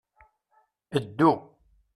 Ddu.